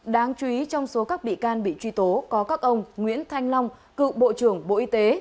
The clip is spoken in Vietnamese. đáng chú ý trong số các bị can bị truy tố có các ông nguyễn thanh long cựu bộ trưởng bộ y tế